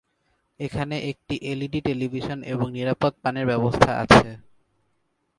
এখানে একটি LED television এবং নিরাপদ পানির ব্যবস্থা আছে।